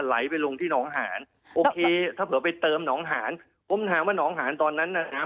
ไหลไปลงที่หนองหานโอเคถ้าเผื่อไปเติมหนองหานผมถามว่าหนองหานตอนนั้นน่ะ